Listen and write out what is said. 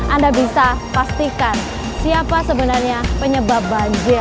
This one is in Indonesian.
anda bisa pastikan siapa sebenarnya penyebab banjir